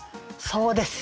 そうです。